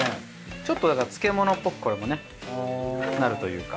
ちょっとだから漬物っぽくこれもねなるというか。